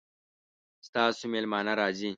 ستاسو میلمانه راځي؟